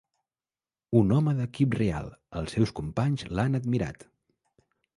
Un home d'equip real, els seus companys l'han admirat.